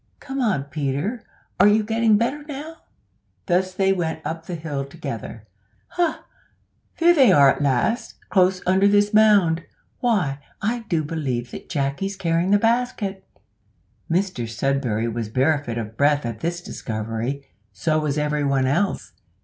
Come on, Peter, are you getting better now?" Thus they went up the hill together. "Ha! there they are at last, close under this mound. Why, I do believe that Jacky's carrying the basket!" Mr Sudberry was bereft of breath at this discovery; so was everyone else.